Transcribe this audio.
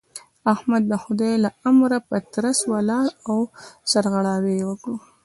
احمد د خدای له امره په ترڅ ولاړ او سرغړاوی يې وکړ.